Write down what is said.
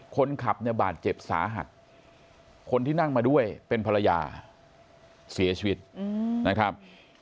คนขับเนี่ยบาดเจ็บสาหัสคนที่นั่งมาด้วยเป็นภรรยาเสียชีวิตนะครับ